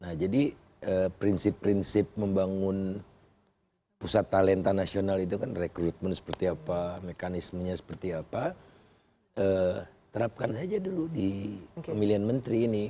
nah jadi prinsip prinsip membangun pusat talenta nasional itu kan rekrutmen seperti apa mekanismenya seperti apa terapkan saja dulu di pemilihan menteri ini